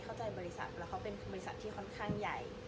บริษัทแล้วเขาเป็นบริษัทที่ค่อนข้างใหญ่